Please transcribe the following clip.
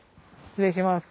失礼します。